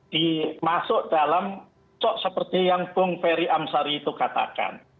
dimasuk dalam cok seperti yang bung ferry amsari itu katakan